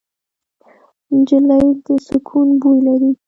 نجلۍ د سکون بوی لري.